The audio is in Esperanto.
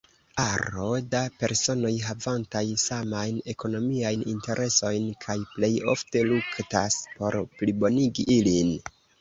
Aro da personoj havantaj samajn ekonomiajn interesojn, kaj plej ofte luktas por plibonigi ilin.